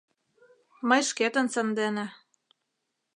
Мый шкетын сандене